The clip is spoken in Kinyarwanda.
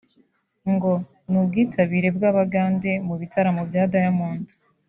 ngo ni ubwitabire bw’abagande mu bitaramo bya Diamond